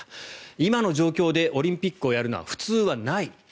今の状況でオリンピックをやるのは普通はない。